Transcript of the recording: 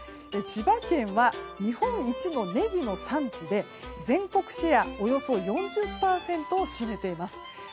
千葉県は、日本一のネギの産地で全国シェアおよそ４０％を占めています。